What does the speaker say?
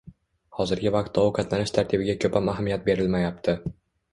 Hozirgi vaqtda ovqatlanish tartibiga ko‘pam ahamiyat berilmayapti.